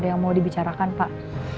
ada yang mau dibicarakan pak